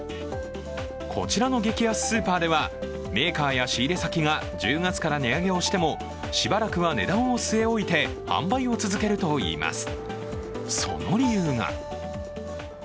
こちらの激安スーパーではメーカーや仕入れ先が１０月から値上げをしてもしばらくは値段を据え置いて販売を続けるといいます。